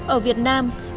ở việt nam